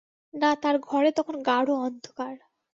না তার ঘরে তখন গাঢ় অন্ধকার।